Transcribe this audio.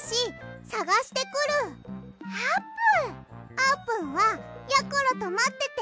あーぷんはやころとまってて！